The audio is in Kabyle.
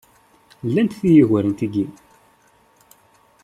Llant tid yugaren tiggi.